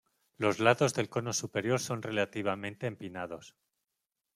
Los lados del cono superior son relativamente empinados.